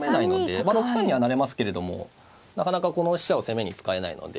まあ６三には成れますけれどもなかなかこの飛車を攻めに使えないので。